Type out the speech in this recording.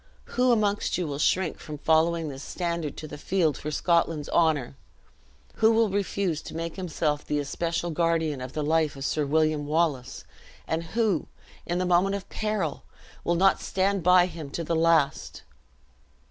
Who amongst you will shrink from following this standard to the field for Scotland's honor? Who will refuse to make himself the especial guardian of the life of Sir William Wallace? and who, in the moment of peril, will not stand by him to the last?